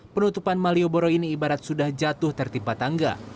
penutupan malioboro ini ibarat sudah jatuh tertimpa tangga